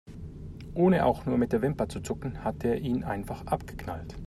Ohne auch nur mit der Wimper zu zucken, hat er ihn einfach abgeknallt.